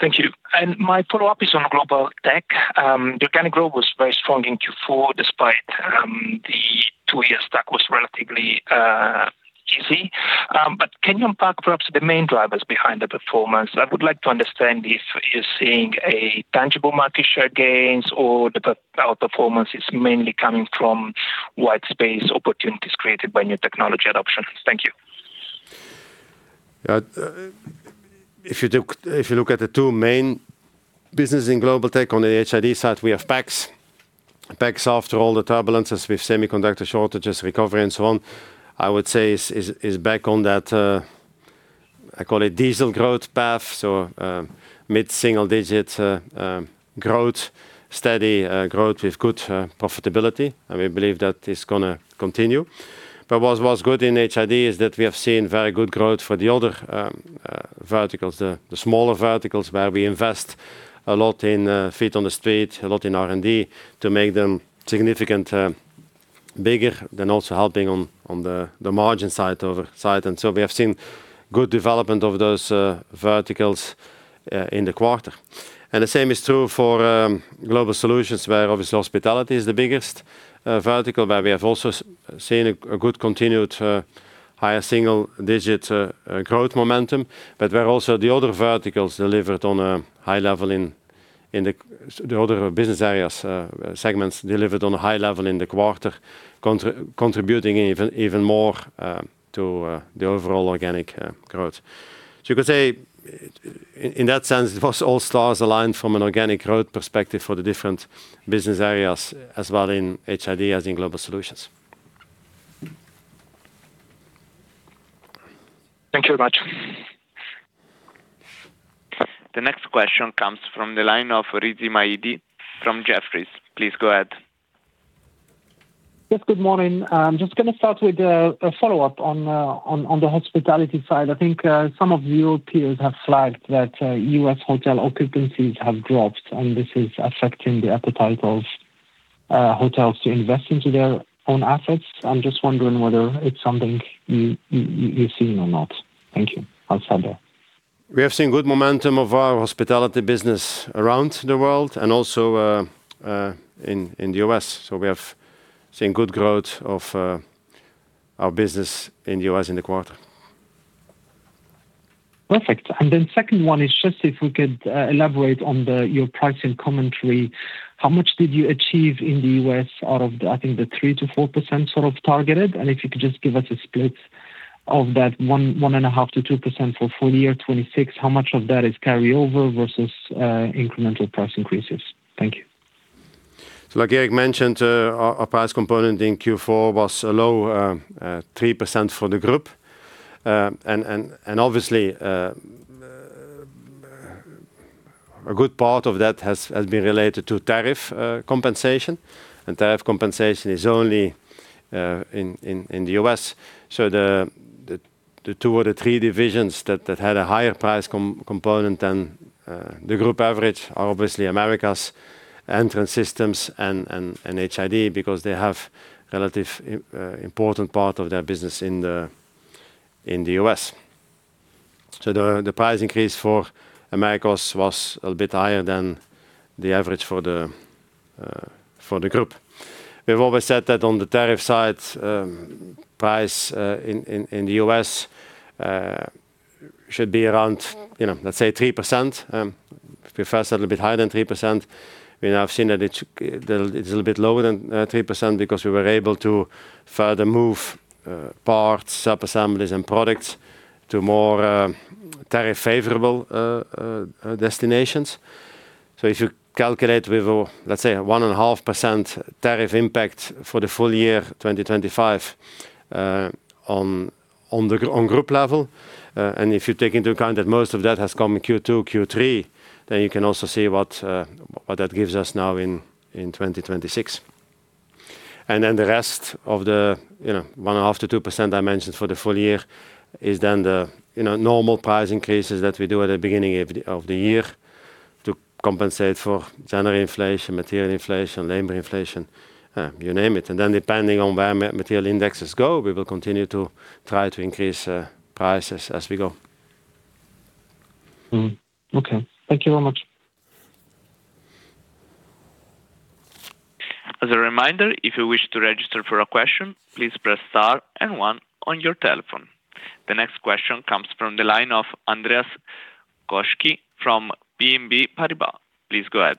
[SPEAKER 11] Thank you. My follow-up is on Global Tech. The organic growth was very strong in Q4, despite the two years that was relatively easy. But can you unpack perhaps the main drivers behind the performance? I would like to understand if you're seeing a tangible market share gains or our performance is mainly coming from white space opportunities created by new technology adoption. Thank you.
[SPEAKER 2] If you look, if you look at the two main business in Global Tech, on the HID side, we have PACS. PACS, after all the turbulences with semiconductor shortages, recovery and so on, I would say is back on that, I call it diesel growth path. So, mid-single digit growth, steady growth with good profitability, and we believe that is gonna continue. But what's good in HID is that we have seen very good growth for the other verticals, the smaller verticals where we invest a lot in feet on the street, a lot in R&D, to make them significant bigger, then also helping on the margin side, upside. And so we have seen good development of those verticals in the quarter. And the same is true for Global Solutions, where obviously hospitality is the biggest vertical, but we have also seen a good continued higher single-digit growth momentum. But where also the other verticals delivered on a high level in the other business areas, segments delivered on a high level in the quarter, contributing even more to the overall organic growth. So you could say, in that sense, it was all stars aligned from an organic growth perspective for the different business areas, as well in HID as in Global Solutions.
[SPEAKER 11] Thank you very much.
[SPEAKER 4] The next question comes from the line of Rizk Maidi from Jefferies. Please go ahead.
[SPEAKER 12] Yes, good morning. I'm just going to start with a follow-up on the hospitality side. I think some of Europeans have flagged that U.S. hotel occupancies have dropped, and this is affecting the appetite of hotels to invest into their own assets. I'm just wondering whether it's something you've seen or not. Thank you. I'll stand by.
[SPEAKER 2] We have seen good momentum of our hospitality business around the world and also in the U.S. So we have seen good growth of our business in the U.S., in the quarter.
[SPEAKER 12] Perfect. And then second one is just if we could elaborate on your pricing commentary. How much did you achieve in the U.S. out of the, I think, the 3%-4% sort of targeted? And if you could just give us a split of that 1, 1.5%-2% for full year 2026, how much of that is carryover versus incremental price increases? Thank you.
[SPEAKER 2] So like Erik mentioned, our price component in Q4 was a low 3% for the group. And obviously, a good part of that has been related to tariff compensation, and tariff compensation is only in the U.S. So the two or the three divisions that had a higher price component than the group average are obviously Americas, Entrance Systems and HID because they have relatively important part of their business in the U.S. So the price increase for Americas was a bit higher than the average for the group. We've always said that on the tariff side, price in the U.S. should be around, you know, let's say 3%. If we priced a little bit higher than 3%, you know, I've seen that it's a little, it's a little bit lower than 3% because we were able to further move parts, sub-assemblies, and products to more tariff favorable destinations. So if you calculate with, let's say, 1.5% tariff impact for the full year, 2025, on the group level, and if you take into account that most of that has come in Q2, Q3, then you can also see what, what that gives us now in 2026. And then the rest of the, you know, 1.5%-2% I mentioned for the full year is then the, you know, normal price increases that we do at the beginning of the year to compensate for general inflation, material inflation, labor inflation, you name it. And then, depending on where material indexes go, we will continue to try to increase prices as we go.
[SPEAKER 12] Mm-hmm. Okay. Thank you very much.
[SPEAKER 4] As a reminder, if you wish to register for a question, please press Star and One on your telephone. The next question comes from the line of Andreas Koski from BNP Paribas. Please go ahead.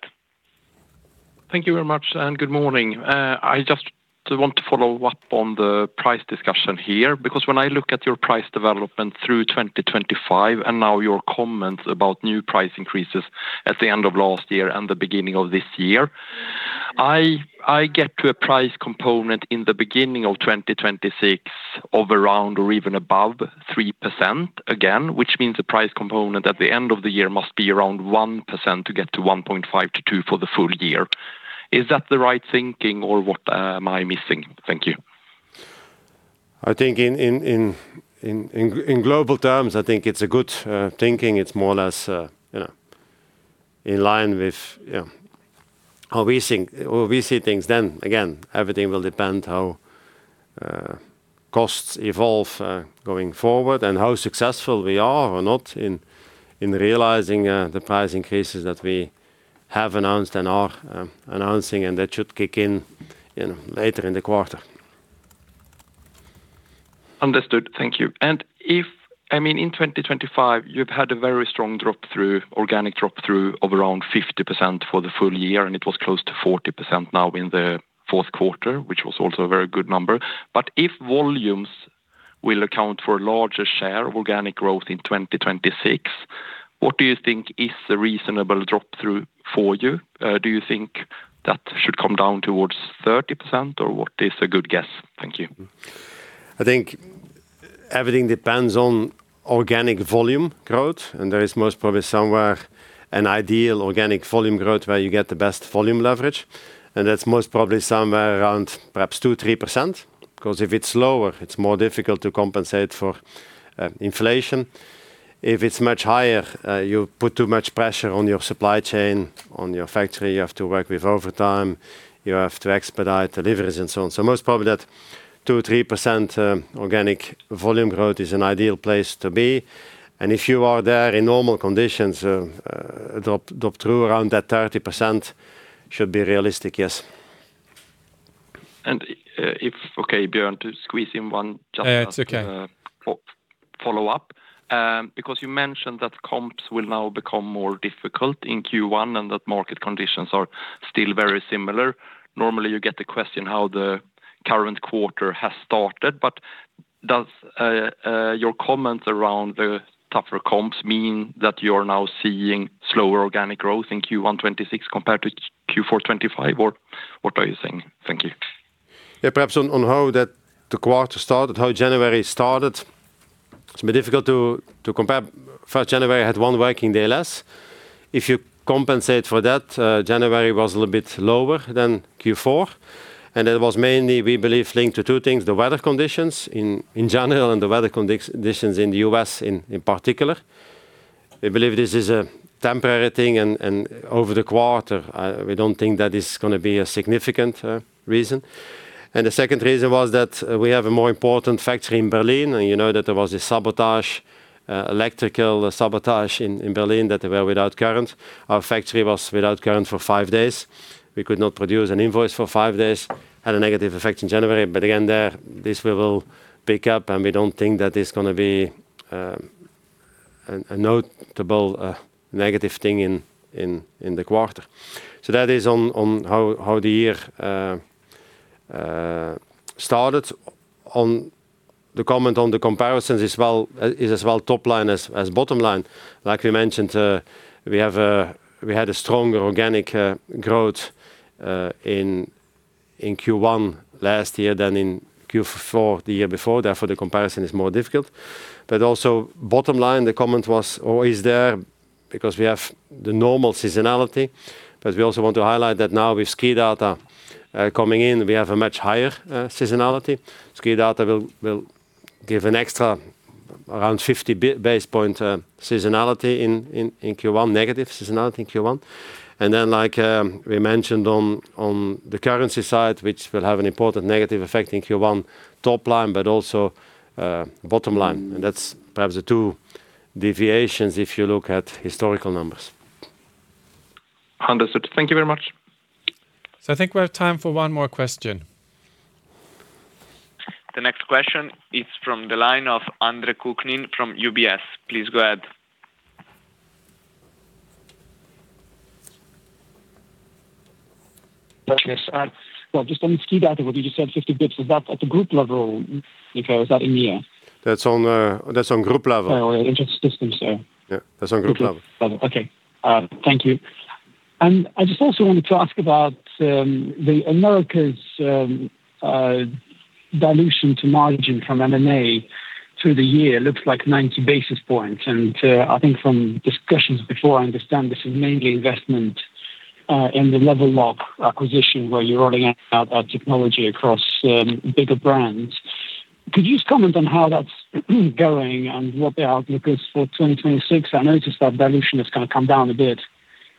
[SPEAKER 13] Thank you very much, and good morning. I just want to follow up on the price discussion here. Because when I look at your price development through 2025, and now your comments about new price increases at the end of last year and the beginning of this year, I get to a price component in the beginning of 2026 of around or even above 3% again, which means the price component at the end of the year must be around 1% to get to 1.5%-2% for the full year. Is that the right thinking or what, am I missing? Thank you.
[SPEAKER 2] I think in global terms, I think it's a good thinking. It's more or less, you know, in line with, you know, how we think or we see things. Then again, everything will depend how costs evolve going forward and how successful we are or not in realizing the price increases that we have announced and are announcing, and that should kick in, you know, later in the quarter.
[SPEAKER 13] Understood. Thank you. And if, I mean, in 2025, you've had a very strong drop-through, organic drop-through of around 50% for the full year, and it was close to 40% now in the fourth quarter, which was also a very good number. But if volumes will account for a larger share of organic growth in 2026, what do you think is the reasonable drop-through for you? Do you think that should come down towards 30%, or what is a good guess? Thank you.
[SPEAKER 2] I think everything depends on organic volume growth, and there is most probably somewhere an ideal organic volume growth where you get the best volume leverage, and that's most probably somewhere around perhaps 2%-3%. 'Cause if it's lower, it's more difficult to compensate for, inflation. If it's much higher, you put too much pressure on your supply chain, on your factory. You have to work with overtime, you have to expedite deliveries and so on. So most probably, that 2%-3%, organic volume growth is an ideal place to be. And if you are there in normal conditions, drop-through around that 30% should be realistic, yes.
[SPEAKER 13] Okay, Björn, to squeeze in one just-
[SPEAKER 1] Yeah, it's okay.
[SPEAKER 13] Follow up. Because you mentioned that comps will now become more difficult in Q1, and that market conditions are still very similar. Normally, you get the question how the current quarter has started, but does your comment around the tougher comps mean that you're now seeing slower organic growth in Q1 2026 compared to Q4 2025, or what are you saying? Thank you.
[SPEAKER 2] Yeah, perhaps on how the quarter started, how January started, it's a bit difficult to compare. First, January had one working day less. If you compensate for that, January was a little bit lower than Q4, and it was mainly, we believe, linked to two things: the weather conditions in general, and the weather conditions in the U.S. in particular. We believe this is a temporary thing, and over the quarter, we don't think that is gonna be a significant reason. And the second reason was that, we have a more important factory in Berlin, and you know that there was a sabotage, electrical sabotage in Berlin, that they were without current. Our factory was without current for five days. We could not produce an invoice for five days. Had a negative effect in January, but again, there, this we will pick up, and we don't think that it's gonna be a notable negative thing in the quarter. So that is on how the year started. On the comment on the comparisons as well, is as well top line as bottom line. Like we mentioned, we had a stronger organic growth in Q1 last year than in Q4 the year before, therefore, the comparison is more difficult. But also, bottom line, the comment was always there because we have the normal seasonality, but we also want to highlight that now with SKIDATA coming in, we have a much higher seasonality. SKIDATA will give an extra around 50 basis points seasonality in Q1, negative seasonality in Q1. And then, like, we mentioned on the currency side, which will have an important negative effect in Q1 top line, but also, bottom line. And that's perhaps the two deviations if you look at historical numbers.
[SPEAKER 13] Understood. Thank you very much.
[SPEAKER 1] I think we have time for one more question.
[SPEAKER 4] The next question is from the line of Andre Kukhnin from UBS. Please go ahead.
[SPEAKER 6] Thanks. Well, just on SKIDATA, what you just said, 50 bps, is that at the group level? Or, okay, was that in the year?
[SPEAKER 2] That's on, that's on group level.
[SPEAKER 6] Oh, Entrance Systems.
[SPEAKER 2] Yeah, that's on group level.
[SPEAKER 6] Level Lock. Okay, thank you. And I just also wanted to ask about the Americas, dilution to margin from M&A through the year. It looks like 90 basis points. And I think from discussions before, I understand this is mainly investment in the Level Lock acquisition, where you're rolling out that technology across bigger brands. Could you just comment on how that's going and what the outlook is for 2026? I noticed that dilution has kind of come down a bit,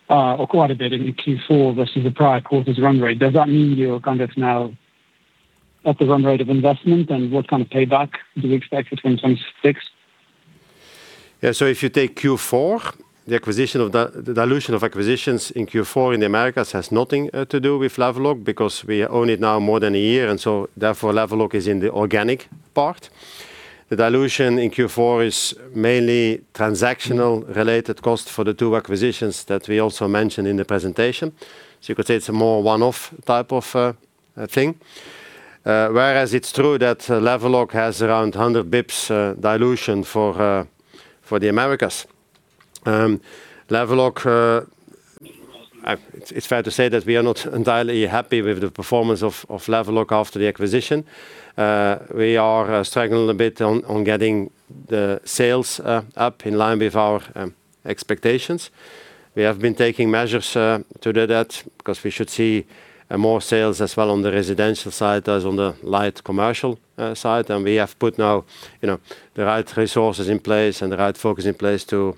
[SPEAKER 6] or quite a bit in Q4 versus the prior quarter's run rate. Does that mean you're kind of now at the run rate of investment, and what kind of payback do we expect in 2026?
[SPEAKER 2] Yeah. So if you take Q4, the dilution of acquisitions in Q4 in the Americas has nothing to do with Level Lock, because we own it now more than a year, and so therefore, Level Lock is in the organic part. The dilution in Q4 is mainly transactional related cost for the two acquisitions that we also mentioned in the presentation. So you could say it's a more one-off type of thing. Whereas it's true that Level Lock has around 100 bps dilution for the Americas. Level Lock, it's fair to say that we are not entirely happy with the performance of Level Lock after the acquisition. We are struggling a little bit on getting the sales up in line with our expectations. We have been taking measures to do that, because we should see more sales as well on the residential side as on the light commercial side. And we have put now, you know, the right resources in place and the right focus in place to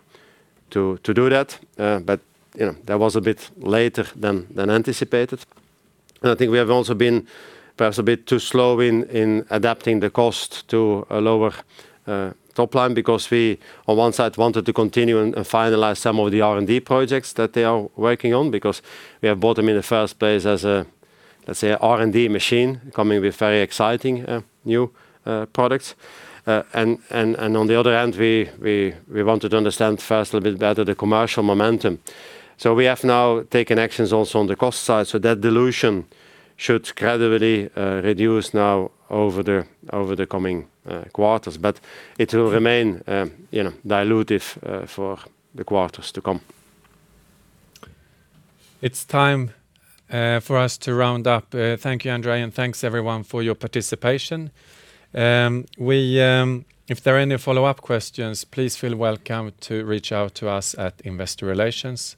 [SPEAKER 2] do that. But, you know, that was a bit later than anticipated. And I think we have also been perhaps a bit too slow in adapting the cost to a lower top line, because we, on one side, wanted to continue and finalize some of the R&D projects that they are working on, because we have bought them in the first place as a, let's say, a R&D machine, coming with very exciting new products. On the other hand, we wanted to understand first a little bit better the commercial momentum. So we have now taken actions also on the cost side, so that dilution should gradually reduce now over the coming quarters. But it will remain, you know, dilutive, for the quarters to come.
[SPEAKER 1] It's time for us to round up. Thank you, Andre, and thanks everyone for your participation. If there are any follow-up questions, please feel welcome to reach out to us at Investor Relations,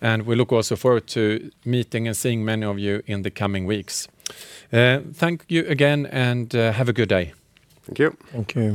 [SPEAKER 1] and we look also forward to meeting and seeing many of you in the coming weeks. Thank you again, and have a good day.
[SPEAKER 2] Thank you.
[SPEAKER 3] Thank you.